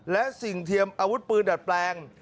และสิ่งเทียมอาวุธปืนดัดแปลง